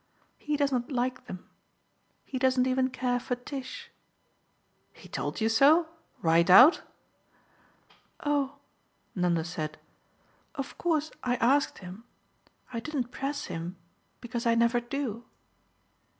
He doesn't like them. He doesn't even care for Tish." "He told you so right out?" "Oh," Nanda said, "of course I asked him. I didn't press him, because I never do